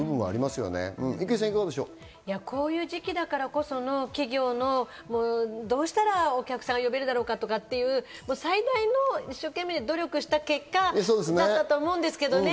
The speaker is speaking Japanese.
こういう時期だからこそ企業のどうしたらお客さんを呼べるだろうかっていう最大の、一生懸命努力した結果だと思うんですけどね。